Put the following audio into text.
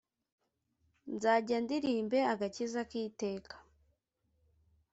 Nzajya ndirimbe agakiza k’ iteka,